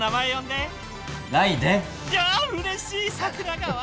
いやぁうれしい桜川。